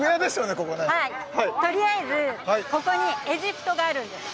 ここねとりあえずここにエジプトがあるんです